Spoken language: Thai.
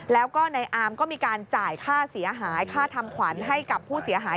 แล้วก็ในอาร์มก็มีการจ่ายค่าเสียหายค่าทำขวัญให้กับผู้เสียหาย